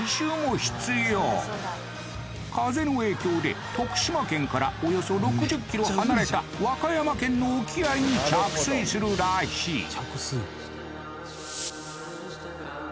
そう徳島県からおよそ６０ｋｍ離れた和歌山県の沖合に着水するらしいねえ！